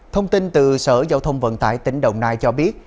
thông tin từ sở giao thông vận tải tỉnh đồng nai cho biết